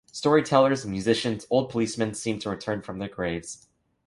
Storytellers, musicians, old policemen seem to return from their graves.